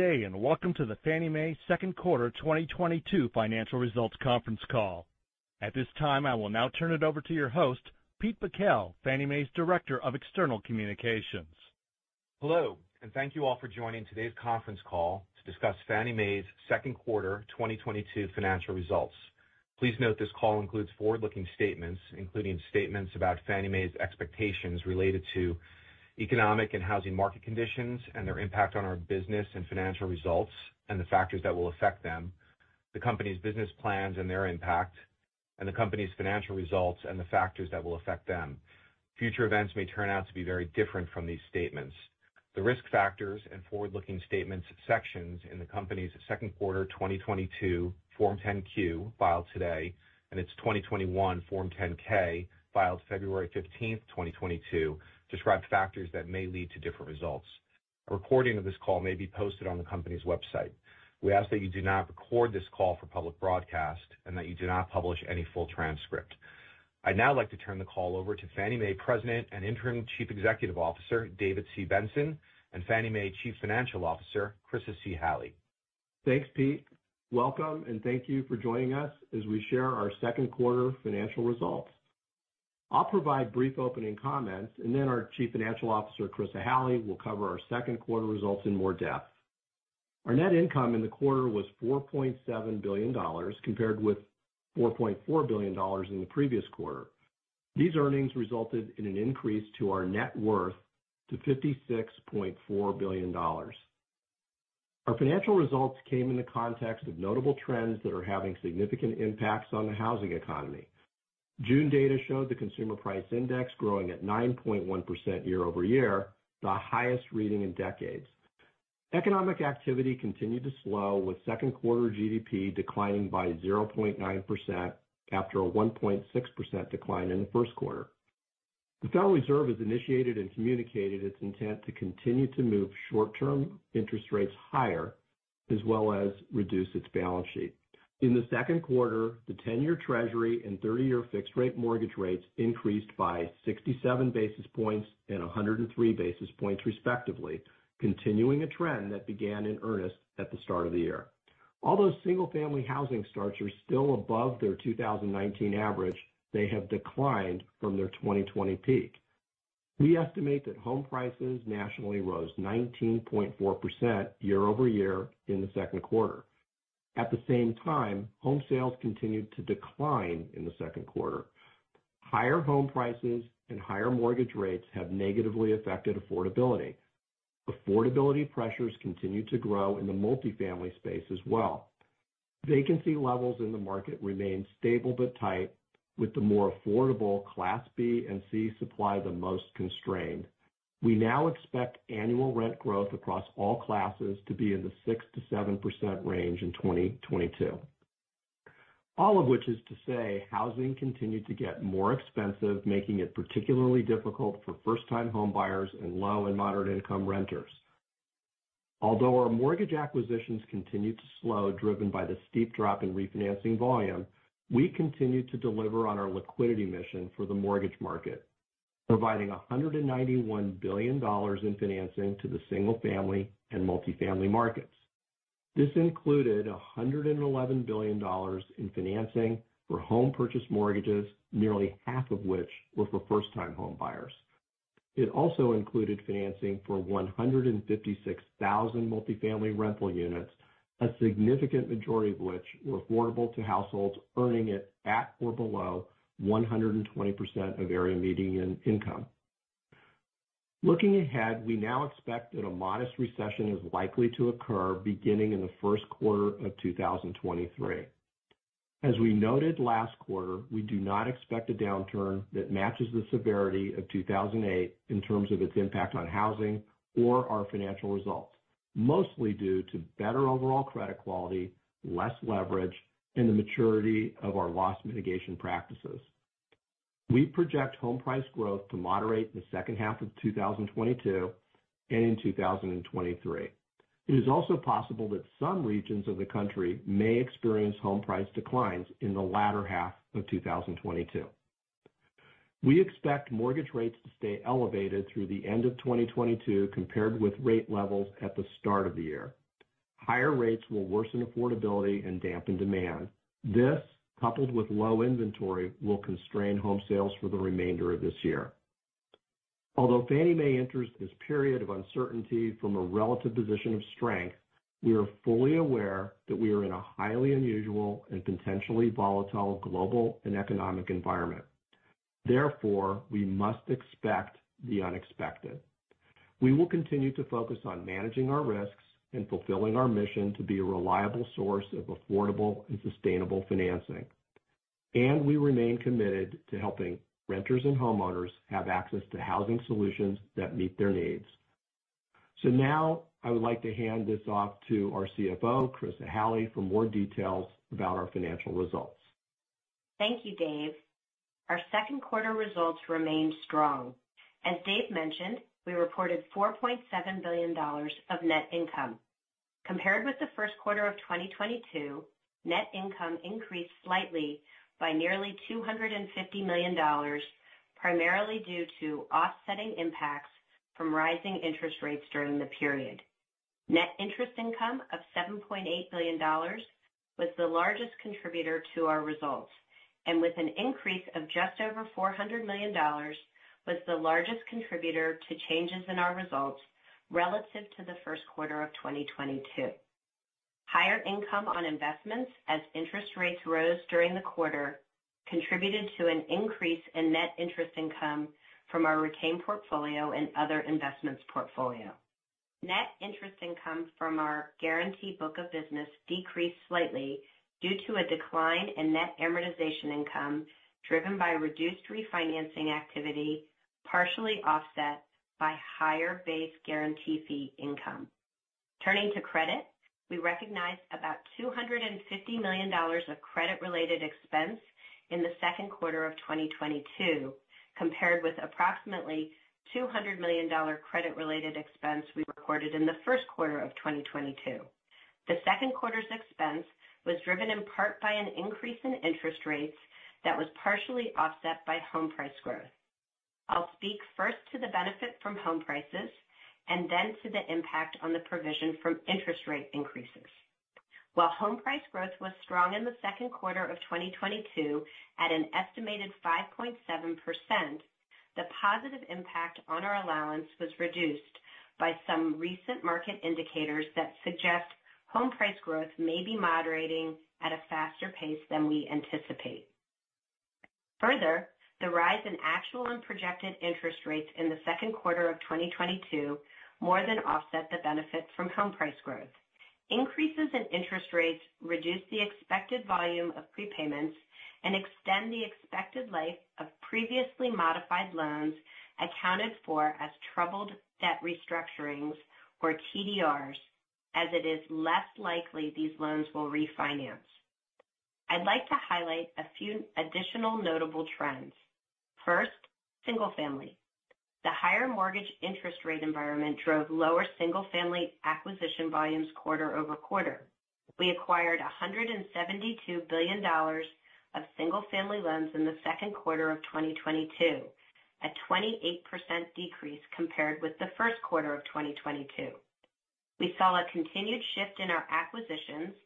Good day, and welcome to the Fannie Mae second quarter 2022 financial results conference call. At this time, I will now turn it over to your host, Pete Bakel, Fannie Mae's Director of External Communications. Hello, and thank you all for joining today's conference call to discuss Fannie Mae's second quarter 2022 financial results. Please note this call includes forward-looking statements, including statements about Fannie Mae's expectations related to economic and housing market conditions and their impact on our business and financial results and the factors that will affect them, the company's business plans and their impact, and the company's financial results and the factors that will affect them. Future events may turn out to be very different from these statements. The risk factors and forward-looking statements sections in the company's second quarter 2022 Form 10-Q filed today, and its 2021 Form 10-K, filed February 15, 2022, describe factors that may lead to different results. A recording of this call may be posted on the company's website. We ask that you do not record this call for public broadcast and that you do not publish any full transcript. I'd now like to turn the call over to Fannie Mae President and Interim Chief Executive Officer, David C. Benson, and Fannie Mae Chief Financial Officer, Chryssa C. Halley. Thanks, Pete. Welcome, and thank you for joining us as we share our second quarter financial results. I'll provide brief opening comments, and then our Chief Financial Officer, Chryssa Halley, will cover our second quarter results in more depth. Our net income in the quarter was $4.7 billion, compared with $4.4 billion in the previous quarter. These earnings resulted in an increase to our net worth to $56.4 billion. Our financial results came in the context of notable trends that are having significant impacts on the housing economy. June data showed the Consumer Price Index growing at 9.1% year-over-year, the highest reading in decades. Economic activity continued to slow, with second quarter GDP declining by 0.9% after a 1.6% decline in the first quarter. The Federal Reserve has initiated and communicated its intent to continue to move short-term interest rates higher, as well as reduce its balance sheet. In the second quarter, the 10-year Treasury and 30-year fixed-rate mortgage rates increased by 67 basis points and 103 basis points respectively, continuing a trend that began in earnest at the start of the year. Although single-family housing starts are still above their 2019 average, they have declined from their 2020 peak. We estimate that home prices nationally rose 19.4% year-over-year in the second quarter. At the same time, home sales continued to decline in the second quarter. Higher home prices and higher mortgage rates have negatively affected affordability. Affordability pressures continue to grow in the multifamily space as well. Vacancy levels in the market remain stable but tight, with the more affordable Class B and C supply the most constrained. We now expect annual rent growth across all classes to be in the 6%-7% range in 2022. All of which is to say, housing continued to get more expensive, making it particularly difficult for first-time homebuyers and low and moderate-income renters. Although our mortgage acquisitions continued to slow, driven by the steep drop in refinancing volume, we continued to deliver on our liquidity mission for the mortgage market, providing $191 billion in financing to the single-family and multifamily markets. This included $111 billion in financing for home purchase mortgages, nearly half of which were for first-time homebuyers. It also included financing for 156,000 multifamily rental units, a significant majority of which were affordable to households earning at or below 120% of Area Median Income. Looking ahead, we now expect that a modest recession is likely to occur beginning in the first quarter of 2023. As we noted last quarter, we do not expect a downturn that matches the severity of 2008 in terms of its impact on housing or our financial results, mostly due to better overall credit quality, less leverage, and the maturity of our loss mitigation practices. We project home price growth to moderate the second half of 2022 and in 2023. It is also possible that some regions of the country may experience home price declines in the latter half of 2022. We expect mortgage rates to stay elevated through the end of 2022 compared with rate levels at the start of the year. Higher rates will worsen affordability and dampen demand. This, coupled with low inventory, will constrain home sales for the remainder of this year. Although Fannie Mae enters this period of uncertainty from a relative position of strength, we are fully aware that we are in a highly unusual and potentially volatile global and economic environment. Therefore, we must expect the unexpected. We will continue to focus on managing our risks and fulfilling our mission to be a reliable source of affordable and sustainable financing. We remain committed to helping renters and homeowners have access to housing solutions that meet their needs. Now I would like to hand this off to our CFO, Chryssa Halley, for more details about our financial results. Thank you, Dave. Our second quarter results remained strong. As Dave mentioned, we reported $4.7 billion of net income. Compared with the first quarter of 2022, net income increased slightly by nearly $250 million. Primarily due to offsetting impacts from rising interest rates during the period. Net interest income of $7.8 billion was the largest contributor to our results, and with an increase of just over $400 million, was the largest contributor to changes in our results relative to the first quarter of 2022. Higher income on investments as interest rates rose during the quarter contributed to an increase in net interest income from our retained portfolio and other investments portfolio. Net interest income from our guarantee book of business decreased slightly due to a decline in net amortization income, driven by reduced refinancing activity, partially offset by higher base guarantee fee income. Turning to credit, we recognized about $250 million of credit-related expense in the second quarter of 2022, compared with approximately $200 million credit-related expense we recorded in the first quarter of 2022. The second quarter's expense was driven in part by an increase in interest rates that was partially offset by home price growth. I'll speak first to the benefit from home prices and then to the impact on the provision from interest rate increases. While home price growth was strong in the second quarter of 2022 at an estimated 5.7%, the positive impact on our allowance was reduced by some recent market indicators that suggest home price growth may be moderating at a faster pace than we anticipate. Further, the rise in actual and projected interest rates in the second quarter of 2022 more than offset the benefits from home price growth. Increases in interest rates reduced the expected volume of prepayments and extend the expected life of previously modified loans accounted for as Troubled Debt Restructurings or TDRs as it is less likely these loans will refinance. I'd like to highlight a few additional notable trends. First, single-family. The higher mortgage interest rate environment drove lower single-family acquisition volumes quarter-over-quarter. We acquired $172 billion of single-family loans in the second quarter of 2022, a 28% decrease compared with the first quarter of 2022. We saw a continued shift in our acquisitions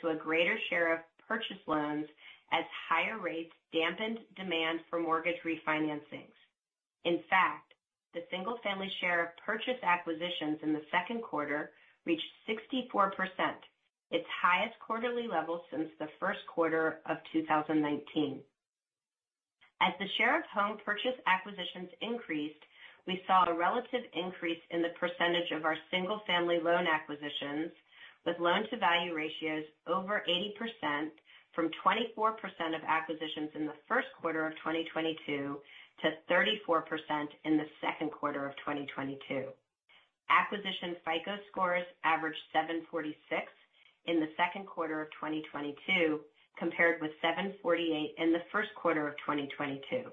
to a greater share of purchase loans as higher rates dampened demand for mortgage refinancings. In fact, the single-family share of purchase acquisitions in the second quarter reached 64%, its highest quarterly level since the first quarter of 2019. As the share of home purchase acquisitions increased, we saw a relative increase in the percentage of our single-family loan acquisitions with loan-to-value ratios over 80% from 24% of acquisitions in the first quarter of 2022 to 34% in the second quarter of 2022. Acquisition FICO scores averaged 746 in the second quarter of 2022, compared with 748 in the first quarter of 2022.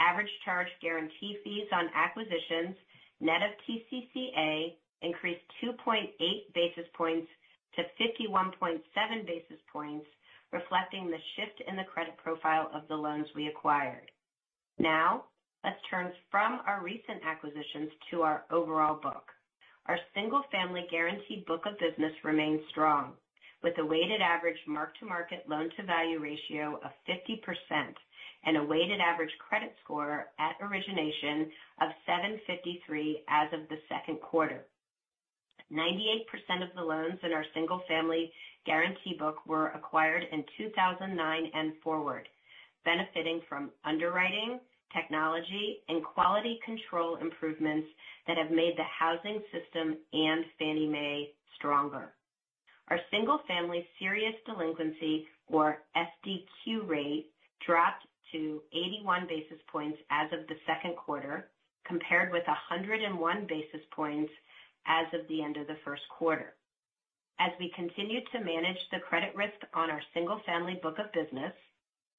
Average charge guarantee fees on acquisitions, net of TCCA, increased 2.8 basis points to 51.7 basis points, reflecting the shift in the credit profile of the loans we acquired. Now, let's turn from our recent acquisitions to our overall book. Our single-family guarantee book of business remains strong, with a weighted average mark-to-market loan-to-value ratio of 50% and a weighted average credit score at origination of 753 as of the second quarter. 98% of the loans in our single-family guarantee book were acquired in 2009 and forward, benefiting from underwriting, technology, and quality control improvements that have made the housing system and Fannie Mae stronger. Our single-family serious delinquency or SDQ rate dropped to 81 basis points as of the second quarter, compared with 101 basis points as of the end of the first quarter. As we continued to manage the credit risk on our single family book of business,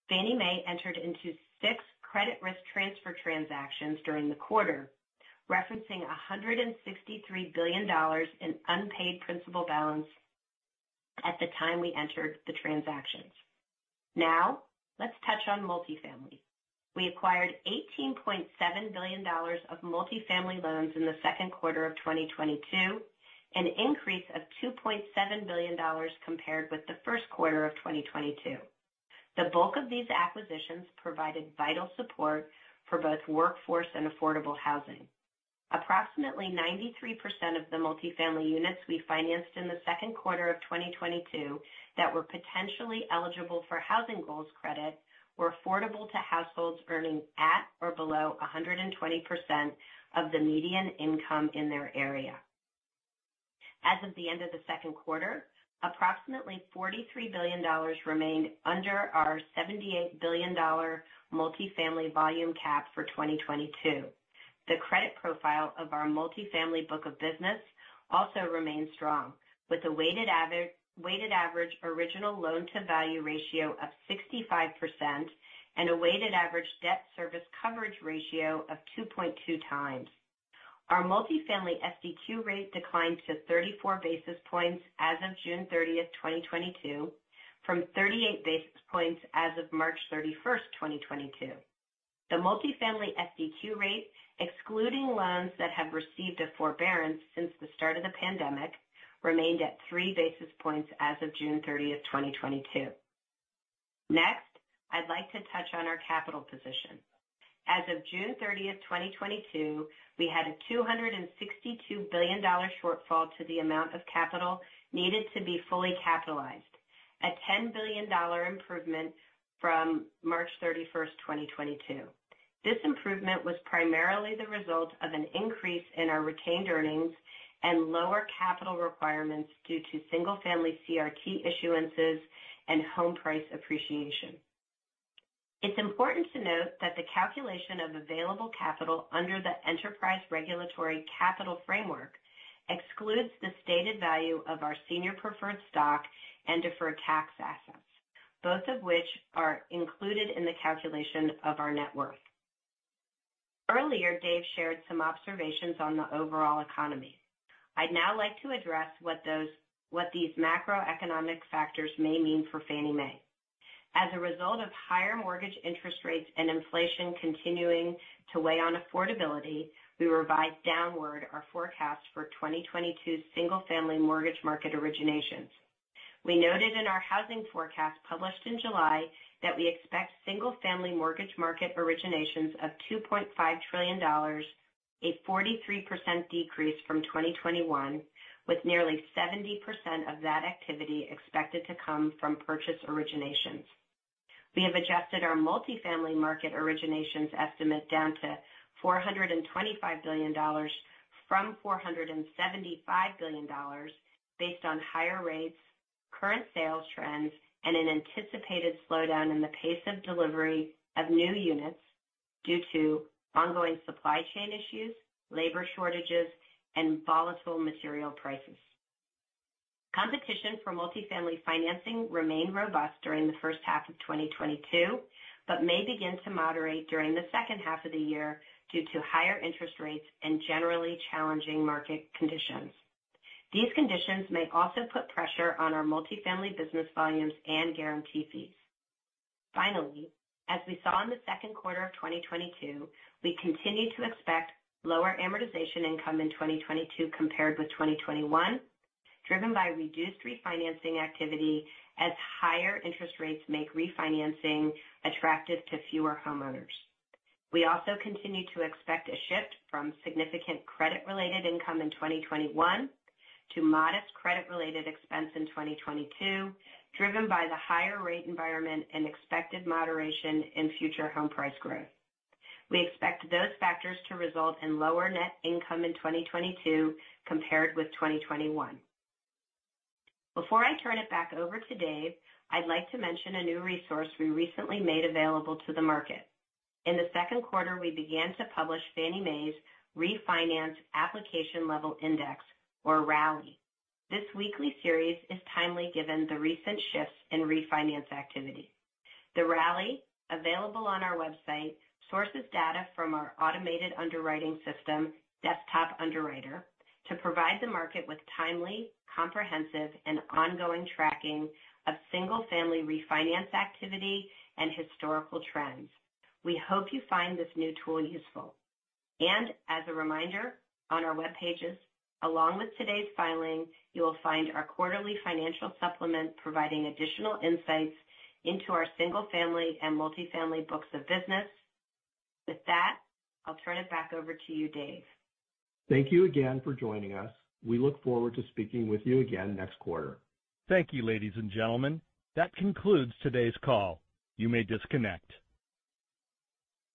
Fannie Mae entered into six credit risk transfer transactions during the quarter, referencing $163 billion in unpaid principal balance at the time we entered the transactions. Now, let's touch on multifamily. We acquired $18.7 billion of multifamily loans in the second quarter of 2022, an increase of $2.7 billion compared with the first quarter of 2022. The bulk of these acquisitions provided vital support for both workforce and affordable housing. Approximately 93% of the multifamily units we financed in the second quarter of 2022 that were potentially eligible for housing goals credit were affordable to households earning at or below 120% of the median income in their area. As of the end of the second quarter, approximately $43 billion remained under our $78 billion multifamily volume cap for 2022. The credit profile of our multifamily book of business also remains strong, with a weighted average original loan-to-value ratio of 65% and a weighted average debt service coverage ratio of 2.2x. Our multifamily SDQ rate declined to 34 basis points as of June 30, 2022, from 38 basis points as of March 31, 2022. The multifamily SDQ rate, excluding loans that have received a forbearance since the start of the pandemic, remained at 3 basis points as of June 30, 2022. Next, I'd like to touch on our capital position. As of June 30, 2022, we had a $262 billion shortfall to the amount of capital needed to be fully capitalized, a $10 billion improvement from March 31, 2022. This improvement was primarily the result of an increase in our retained earnings and lower capital requirements due to single-family CRT issuances and home price appreciation. It's important to note that the calculation of available capital under the Enterprise Regulatory Capital Framework excludes the stated value of our senior preferred stock and deferred tax assets, both of which are included in the calculation of our net worth. Earlier, Dave shared some observations on the overall economy. I'd now like to address what these macroeconomic factors may mean for Fannie Mae. As a result of higher mortgage interest rates and inflation continuing to weigh on affordability, we revised downward our forecast for 2022 single-family mortgage market originations. We noted in our housing forecast, published in July, that we expect single-family mortgage market originations of $2.5 trillion, a 43% decrease from 2021, with nearly 70% of that activity expected to come from purchase originations. We have adjusted our multifamily market originations estimate down to $425 billion from $475 billion based on higher rates, current sales trends, and an anticipated slowdown in the pace of delivery of new units due to ongoing supply chain issues, labor shortages, and volatile material prices. Competition for multifamily financing remained robust during the first half of 2022, but may begin to moderate during the second half of the year due to higher interest rates and generally challenging market conditions. These conditions may also put pressure on our multifamily business volumes and guarantee fees. Finally, as we saw in the second quarter of 2022, we continue to expect lower amortization income in 2022 compared with 2021, driven by reduced refinancing activity as higher interest rates make refinancing attractive to fewer homeowners. We also continue to expect a shift from significant credit-related income in 2021 to modest credit-related expense in 2022, driven by the higher rate environment and expected moderation in future home price growth. We expect those factors to result in lower net income in 2022 compared with 2021. Before I turn it back over to Dave, I'd like to mention a new resource we recently made available to the market. In the second quarter, we began to publish Fannie Mae's Refinance Application-Level Index, or RALI. This weekly series is timely given the recent shifts in refinance activity. The RALI, available on our website, sources data from our automated underwriting system, Desktop Underwriter, to provide the market with timely, comprehensive, and ongoing tracking of single-family refinance activity and historical trends. We hope you find this new tool useful. As a reminder, on our web pages, along with today's filing, you will find our quarterly financial supplement providing additional insights into our single-family and multifamily books of business. With that, I'll turn it back over to you, Dave. Thank you again for joining us. We look forward to speaking with you again next quarter. Thank you, ladies and gentlemen. That concludes today's call. You may disconnect.